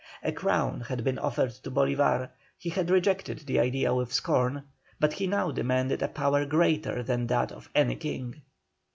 A crown had been offered to Bolívar, he had rejected the idea with scorn, but he now demanded a power greater than that of any king.